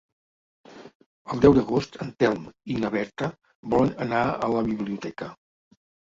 El deu d'agost en Telm i na Berta volen anar a la biblioteca.